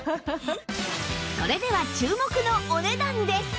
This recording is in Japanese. それでは注目のお値段です